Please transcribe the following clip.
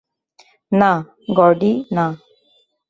না, গর্ডি, না!